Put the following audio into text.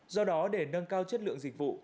do đó để nâng cao chất lượng dịch vụ